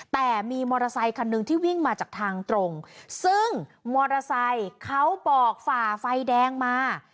แต่มีมอเตอร์ไซคันหนึ่งที่วิ่งมาจากทางตรงซึ่งมอเตอร์ไซค์เขาบอกฝ่าไฟแดงมา